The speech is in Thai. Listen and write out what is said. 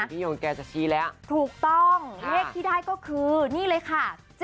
โยงแกจะชี้แล้วถูกต้องเลขที่ได้ก็คือนี่เลยค่ะ